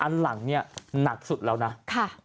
อันหลังเนี่ยหนักสุดแล้วนะ